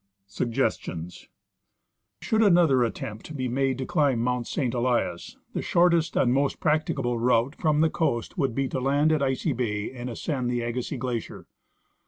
Suggestions. Should another attempt be made to climb Mount St. Elias, the shortest and most practicable route from the coast would be to land at Icy bay and ascend the Agassiz glacier.